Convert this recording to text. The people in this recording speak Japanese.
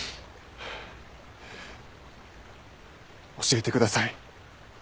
教えてください。